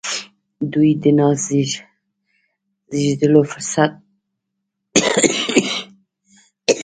دوی د نازېږېدلو فرصتونو له ناملموسو قدرتونو ګټه واخيسته.